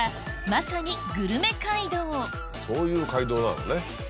まさにそういう街道なのね。